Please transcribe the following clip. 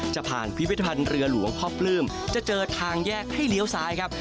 จะผ่านพิพิธภัณฑ์เรือหลวงพ่อปลื้มจะเจอทางแยกให้เลี้ยวซ้ายครับ